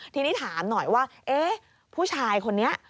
ทีนี้ถามหน่อยว่าเอ๊ะผู้ชายคนนี้